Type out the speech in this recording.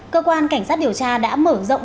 cơ quan cảnh sát điều tra đã mở rộng